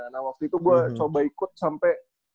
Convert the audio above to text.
nah waktu itu gue coba ikut sampai